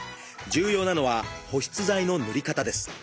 重要なのは保湿剤の塗り方です。